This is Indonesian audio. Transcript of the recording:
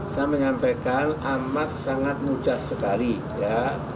saya menyampaikan amat sangat mudah sekali ya